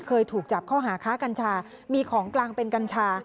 เคยถูกจับข้อหาค้ากัญชามีของกลางเป็นกัญชา